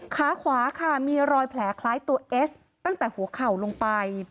ขาขวาค่ะมีรอยแผลคล้ายตัวเอสตั้งแต่หัวเข่าลงไป